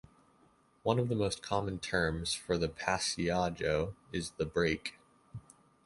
One of the most common terms for the "passaggio" is the "break.